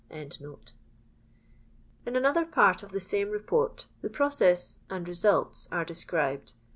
] In another part of the same Report the process and results are described.